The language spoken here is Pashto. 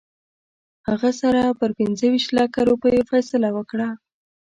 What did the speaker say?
هغه سره پر پنځه ویشت لکه روپیو فیصله وکړه.